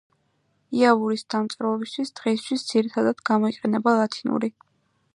იავურის დამწერლობისთვის დღეისთვის ძირითადად გამოიყენება ლათინური.